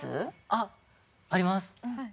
あっあります。